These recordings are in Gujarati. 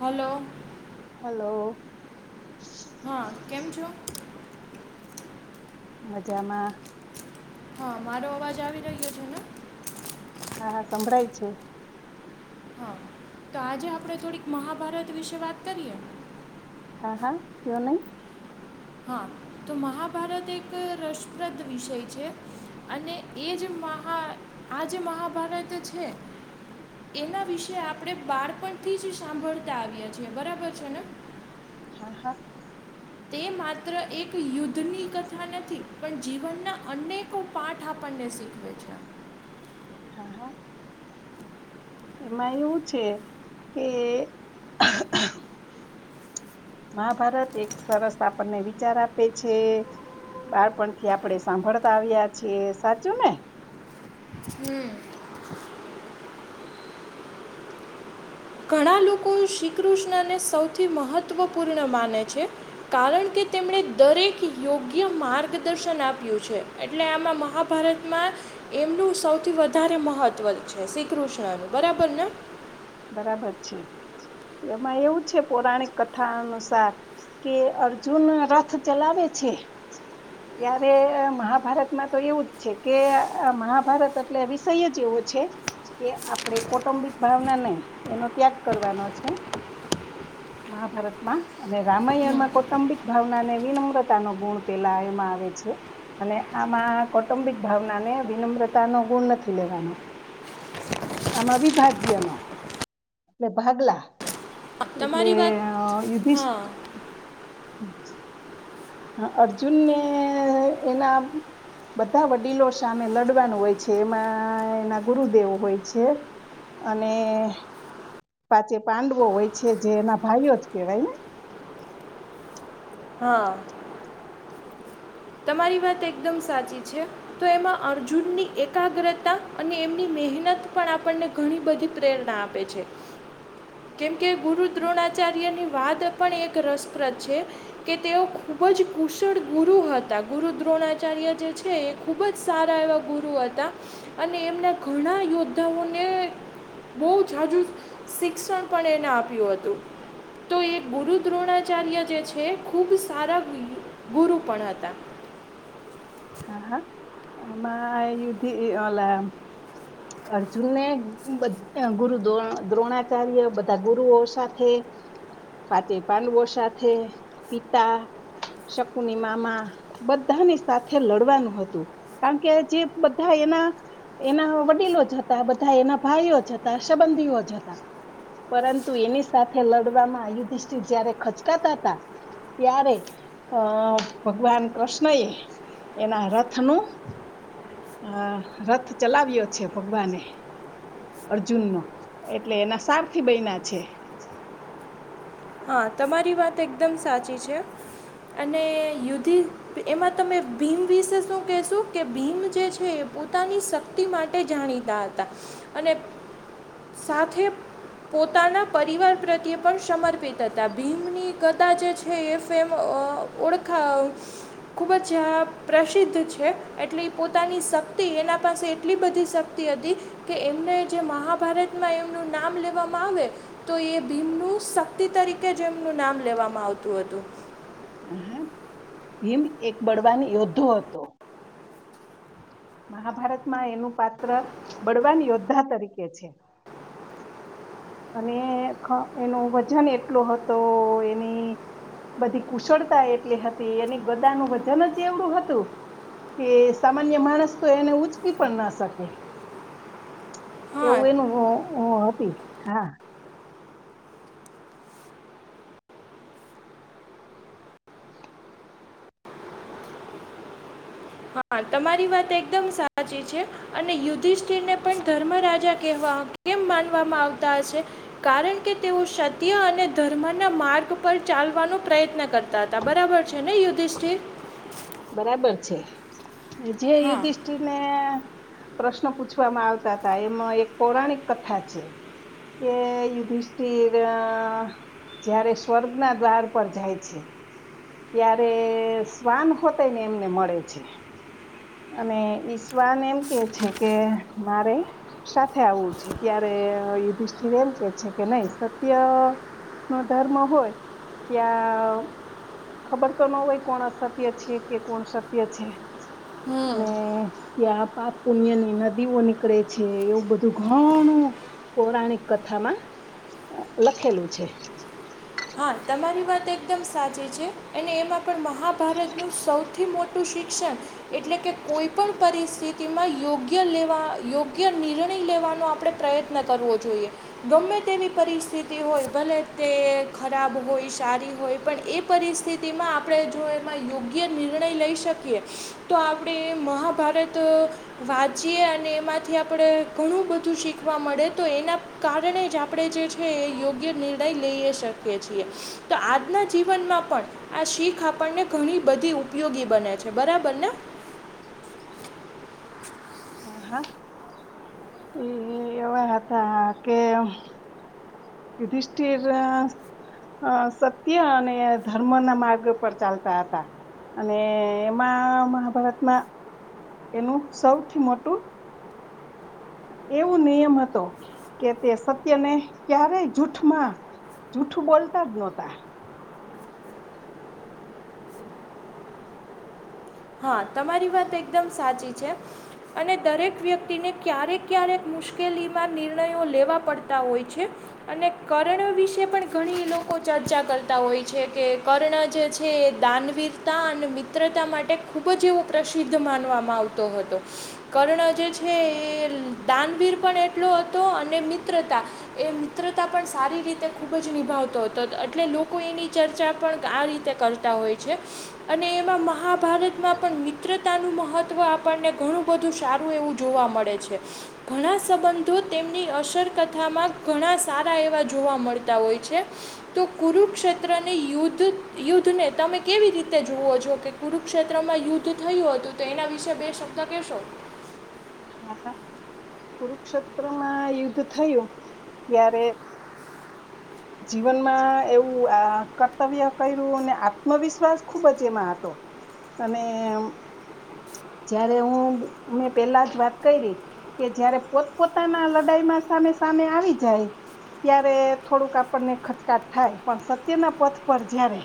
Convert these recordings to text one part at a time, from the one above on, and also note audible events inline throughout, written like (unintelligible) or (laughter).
હલો! હલો! હા કેમ છો? મજામાં. હા મારો અવાજ આવી રહ્યો છે ને? હા હા સંભળાય છે. હા તો આજે આપણે થોડીક મહાભારત વિશે વાત કરીએ? હા હા કયો ને. હા તો મહાભારત એક રસપ્રદ વિષય છે અને એ જ મહા આજ મહાભારત છે. એના વિશે આપણેે બાળપણથી જ સાંભળતા આવએ છીએ. બરાબર છે ને? હા હા તે માત્ર એક યુદ્ધની કથા નથી પણ જીવનના અનેકો પાઠ આપને સીખવે છે. હા હા એમાં એવું છે કે મહાભારત એક સરસ આપણને વિચાર આપે છે. બાળપણ થી આપડે સાંભળતા આવ્યા છીએ. સાચું ને? હમ ઘણા લોકો શ્રીકૃષ્ણને સૌથી મહત્વપૂર્ણ માને છે. કારણ કે તેમણે દરેક યોગ્ય માર્ગદર્શન આપ્યું છે. એટલે આમાં મહાભારતમાં. એમનું સૌથી વધારે મહત્વ છે શ્રી કૃષ્ણ ન બરાબર ને? બરાબર છે. એમાં એવું છે પૌરાણિક કથા અનુસાર કે અર્જુન રથ ચલાવે છે. ત્યારે મહાભારતમાં તો એવું જ છે કે, મહાભારત એટલે વિષય જ એવો છે. કે આપણે કૌટુંબિક ભાવના નહી, એનો ત્યાગ કરવાનો છે. મહાભારતમાં અને રામાયણમાં કૌટુંબિક ભાવના ને વિનમ્રતા ન ગુણ પેલા એમાં આવે છે. અને આમાં કૌટુંબિક ભાવના ને વિનમ્રતા નો ગુણ નથી લેવાનો. આમા બી ભાજ્ય ન, એટલે ભાગલા એટલે તમારી વાત યુધિષ હા હા અર્જુન ને એના બધા વડીલો સામે લડવાનું હોય છે એમાં એના ગુરુદેવ હોય છે. અને પાચે પાંડવો હોય છે જે એના ભાઈઓ જ કેહેવાય ને. હા. તમારી વાત એકદમ સાચી છે. તો એમાં અર્જુનની એકાગ્રતા અને એમની મહેનત પણ આપણને ઘણી બધી પ્રેરણા આપે છે. (unintelligible) કેમ કે ગુરુ દ્રોણાચાર્યની વાત પણ એક રસપ્રદ છે. કે તેઓ ખુબ જ કુશળ ગુરુ હ. હતા ગુરુ દ્રોણાચાર્ય જે છે એ ખુબ જ સારા એવા ગુરુ હતા. અને એમના ઘણા યોદ્ધાઓને બહુ જ જાજુ શિક્ષણ પણ એને આપ્યું હતું. તો એ ગુરુ દ્રોણાચાર્ય જે છે ખુબ સારા ગુરુ પણ હતા હા હા એમાં યુધી ઓલા અર્જુનને બધે ગુરુ દો દ્રોણાચાર્ય બધા ગુરુઓ સાથે પાચે પાંડવો સાથે પિતા શકુની મામા બધાની સાથ થે લડવાનું હતું કારણ કે જે બધા એના એના વડીલો જ હતા બધા એના ભાઈઓ જ હતા સંબંધીઓ જ હતા પરંતુ એની સાથે લડવામાં યુધિષ્ઠિર જયારે ખચકાતા હતા. ત્યારે અ ભગવાન કૃષ્ણ એ. એના રથ નું અ રથ ચલાવ્યો છે ભગવાને અર્જુન એટલે એના સારથી બયના છે. હા તમારી વાત એકદમ સાચી છે અને યુધિ એમાં તમે ભીમ વિશે શું કહેશો કે ભીમ જે છે એ પોતાની શ. તિ માટે જાણીતા હતા અને સાથે પોતાના પરિવાર પ્રત્યે પણ સમર્પિત તથા ભીમની ગદા જે છે એ ફેમ અ ઓળખાવ ખુબ જ આ પ્રસિદ્ધ છે એટલે પોતાની શક્તિ એના પાસે એટલી બધી શક્તિ તી હતી કે એમને જે મહાભારતમાં એમનું નામ લેવામાં આવે તો એ ભીમનું શક્તિ તરીકે જે એમનું નામ લેવામાં આવતું હતું. હ હા. ભીમ એક બળવાની યોદ્ધો હતો. મહાભારત માં એનું પાત્ર બળવાન યોદ્ધા તરીકે છે. અને ક એનો વજન એટલો હતો એની બધી કુશળતા એટલી હતી એની ગદાનું વજન જ એવડું હતું. કે સામાન્ય માણસ તો એને ઉચકી પણ ના શકે. હા એવું એનું હતી હા. હા તમારી વાત એકદમ સાચી છે. અને યુધિષ્ઠિરને પણ ધર્મ રાજા કેહવા કેમ માનવામાં આવતા હશે કારણ કે તેઓ સત્ય અને ધર્મ ના માર્ગ પર ચાલવાનો પ્રયત્ન કરતા હતા બરાબર છે. અને યુધિષ્ઠિર બરાબર છે જે યુધિષ્ઠ જી મેં પ્રશ્ન પૂછવામાં આવતા હતા એમાં એક પૌરાણિક કથા છે. કે યુધિષ્ઠિર જયારે સ્વર્ગ ના દ્વાર પર જાય છે. ત્યારે શ્વાન હોતે ને એમને મળે છે. અને ઈશવાન એમ કે છે કે મારે સાથે આવવું છે ત્યારે યુધિષ્ઠિર એમ કે છે કે નહી સત્ય નો ધર્મ હોય, ત્યાં ખબર તો ન હોય કોણ અસત્ય છે કે, કોણ સત્ય છે.. અને ત્યાં પાપ પુન્ય ની નદીઓ નીકળે છે, એવું બધું ઘણું પૌરાણિક કથામાં અ લખેલું છે. હા, તમારી વાત એકદમ સાચી છે અને એમાં પણ મહાભારતનું સૌ થી મોટું શિક્ષણ એટલે કે કોઈ પણ પરિસ્થિતિમાં યોગ્ય લેવા યોગ્ય નિર્ણય લેવાનો આપડણે પ્રયત્ન કરવો જોઈએ, ગમે તેવી પરિસ્થિતિ હોય ભલે તે ખરાબ હોય, સારી હોય પણ એ પરિસ્થિતિમાં આપણે જો એમાં યોગ્ય નિર્ણય લઈ શકીએ. તો આપડે એ મહાભારત... વાંચીએ અને એમાંથી આપડે ઘણું બધું શીખવા મળે તો એના કારણે જ આપણે જે છે એ યોગ્ય નિર્ણય લઈએ શકીએ છીએ. તો આજના જીવનમાં પણ. આ શીખ આપણને ઘણી બધી ઉપયોગી બને છે. બરાબર ને. હા હા વા હતા કે યુધિષઠિર અ સત્ય અને ધર્મ ના માર્ગ પર ચાલતા હતા. અને એમાં મહાભારતમાં એનું સૌથી મોટું એવું નિયમ હતો કે, તે સત્યને ક્યારેય જૂઠમાં જૂઠું બોલતા જ નોતા. હ, તમારી વાત એકદમ સાચી છે. અને દરેક વ્યક્તિને ક્યારેક-ક્યારેક મુશ્કેલીમાં નિર્ણયો લેવા પડતા ઓય છે. અને કર્ણ વિશે પણ ઘણી લોકો ચર્ચા કરતા હોય છે, કે કર્ણ જે છે એ દાન વીરતા અને મિત્રતા માટે ખૂબ જ એવો પ્રસિદ્ધ માનવામાં આવતો હતો. કર્ણ જે છે એ દાનવીર પણ એટલો હતો અને મિત્રતા એ મિત્રતા પણ સારી રીતે ખૂબ જ નિભાવતો તો એટલે લોકો એની ચર્ચા પણ આ રીતે કર તા હોય છે અને એમાં મહાભારત માં પણ મિત્રતાનું મહત્વ આપણને ઘણું બધું સારું એવું જોવા મળે છે. ઘણા સંબંધો તેમની અસરકથામાં ઘણા સારા એવા જોવા મળતા ઓય છે. તો કુરુક્ષેત્રને યુદ્ધ યુદ્ધને તમે કેવી રીતે જોવો છો? કે કુરુક્ષેત્ર ત્રમાં યુદ્ધ થયું હતું તો એના વિશે બે શબ્દ કેશો. હા હા કુરુક્ષેત્રમાં યુદ્ધ થયું ત્યારે જીવનમાં એવુંઆ કર્તવ્ય કયરુ ને આત્મવિશ્વાસ ખુબ જ એમાં હતો. અને જયારે હું મે પેલા વાત કઈરી કે, જયારે પોતપોતાના લડાઈમાં સામે સામે આવી જાય. ત્યારે થોડુંક આપને ખચકાટ થાય, પણ સત્યના પથ પર જયારે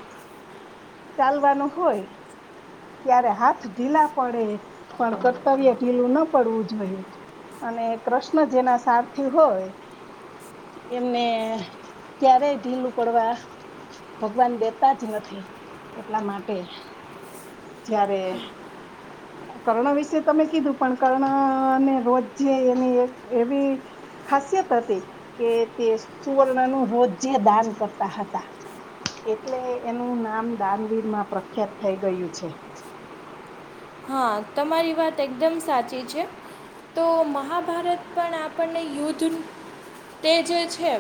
ચાલવાનું હોય. ત્યારે હાથ ઢીલા પડે, પણ કર્તવ્ય ઢીલું ન પડવું જોઈએ અને કૃષ્ણ જેના સારથી હોય. એમને ક્યારેય ઢીલું પડવા ભગવાન દેતા જ નથી એટલા માટે જયારે કર્ણ વિશે તમે કીધું, પણ કર્ણને રોજે એની એક એવી ખાસિયત હતી કે તે સુવર્ણ નું રોજે દાન કરતા હતા. એટલે એનું નામ દાનવીરમાં પ્રખ્યાત થઈ ગયું છે. હા, તમારી વાત એકદમ સાચી છે. તો મહાભારત પણ આપણને યુદ્ધ તે જે છે.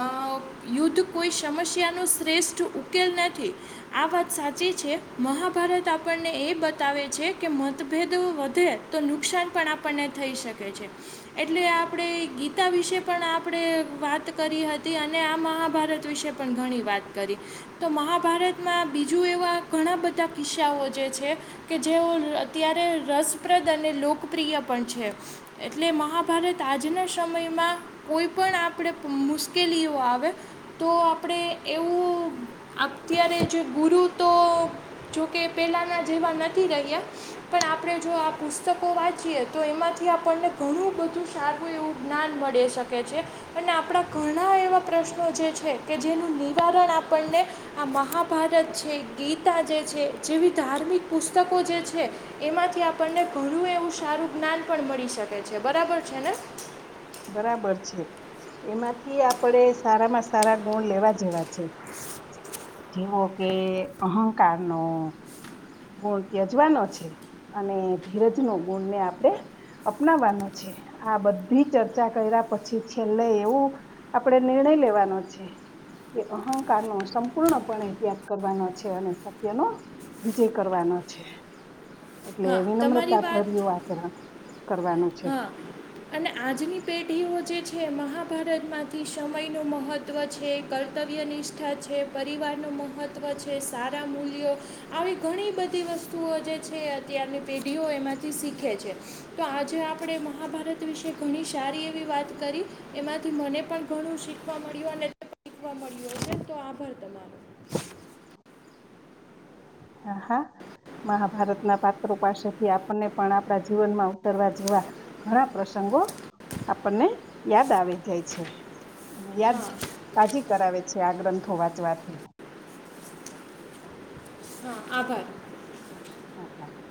અઅઅઅ યુદ્ધ કોઈ સમસ્યાનો શ્રેષ્ઠ ઉકેલ નથી. આ વાત સાચી છે. મહાભારત આપણને એ બતાવે છે, કે મતભેદો વધે તો નુકસાન પણ આપણને થઈ શકે છે. એટલે આપણે ગીતા વિશે પણ આપણે વાત કરી હતી અને આ મહાભારત વિશે પણ ઘણી વાત કરી તો મહાભારતમાં બીજું એવા ઘણા બધા કિસ્સાઓ જે છે. કે જેઓ અત્યારે રસપ્રદ અને લોકપ્રિય પણ છે. એટલે મહાભારત આજના સમયમાં કોઈ પણ આપણે મુશ્કેલીઓ આવે. તો આપણે એવું અત્યારે જો ગુરુ તો જોકે પેલાના જેવા નથી રહ્યા. પણ આપણે જો આ પુસ્તકો વાંચીએે તો એમાંથી આપણને ઘણું બધું- સારું એવું જ્ઞાન મળી શકે છે. અને આપણા ઘણા એવા પ્રશ્નો જે છે કે જેનું નિવારણ આપણને- આ મહાભારત છે ગીતા જે છે જેવી ધાર્મિક- પુસ્તકો જે છે એમાંથી આપણને ઘણું એવું સારું જ્ઞાન પણ મળી શકે- કે છે બરાબર છે ને- બરાબર છે એમાંથી આપણેે સારામાં સારા ગુણ લેવા જેવા છે. જેવો કે અહંકાર નો ગુણ ત્યજવાનો છે. અને ધીરજ નુ ગુણને આપણે અપનાવાનો છે. આ બધી ચર્ચા કર્યા પછી છેલ્લે એવું આપણેે નિર્ણય લેવાનો છે. કે અહંકારનો વસ- પૂર્ણપણે ત્યાગ કરવાનો છે અને સત્યનો વિજય કરવાનો છે. એટલે હા તમારી વિનમ્રતા પરર્યું વાત આચરણ કરવાનું- છે હા- અને આજની પેઢીઓ જે છે મહાભારતમાંથી સમયનું મહત્ત્વ છે કર્તવ્ય નિષ- ઠા છે પરિવારનું મહત્વ છે સારા મૂલ્યો આવી ઘણી બધી વસ્તુઓ જે છે અત્યારની પેઢીઓ એમાંથી શીખે છે તો આજે- આપણે મહાભારત વિશે ઘણી સારી એવી વાત કરી એમાંથી મને પણ ઘણું શીખવા મળ્યું અને- શીખવા મળ્યો હ તો આભાર તમારો- હા હા મહાભારતના પાત્રો પાસેથી આપણને પણ આપણા જીવનમાં ઉતરવા જેવા- ઘણા પ્રસંગો આપણને યાદ આવી જાય છે. યાદ હા તાજી કરાવે છે આ ગ્રંથો વાંચવાથી- હા આભાર. (inaudible)